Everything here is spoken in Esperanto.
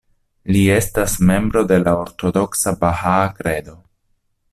Li estas membro de la ortodoksa Bahaa Kredo.